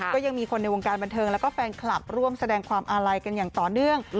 ก็ยังมีคนในวงการบันเทิงแล้วก็แฟนคลับร่วมแสดงความอาลัยกันอย่างต่อเนื่อง